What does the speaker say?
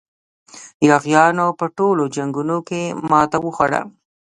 یاغیانو په ټولو جنګونو کې ماته وخوړه.